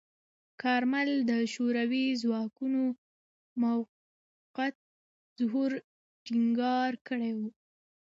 کارمل د شوروي ځواکونو موقت حضور ټینګار کړی و.